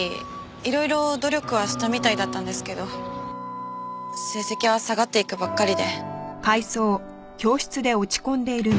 いろいろ努力はしたみたいだったんですけど成績は下がっていくばっかりで。